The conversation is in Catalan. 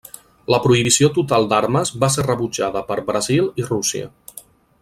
La prohibició total d'armes va ser rebutjada per Brasil i Rússia.